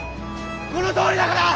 このとおりだから！